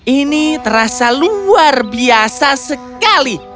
ini terasa luar biasa sekali